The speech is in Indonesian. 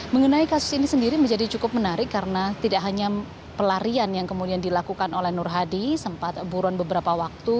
mengenai kasus ini sendiri menjadi cukup menarik karena tidak hanya pelarian yang kemudian dilakukan oleh nur hadi sempat buron beberapa waktu